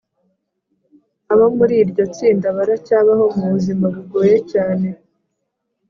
abo muri iryo tsinda baracyabaho mu buzima bugoye cyane.